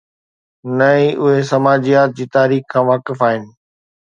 نه ئي اهي سماجيات جي تاريخ کان واقف آهن.